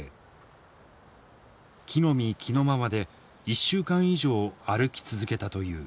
着のみ着のままで１週間以上歩き続けたという。